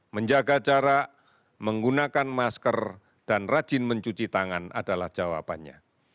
menjaga jarak menggunakan masker dan rajin mencuci tangan adalah jawabannya